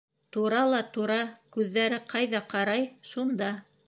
Тура ла тура, күҙҙәре ҡайҙа ҡарай-шунда.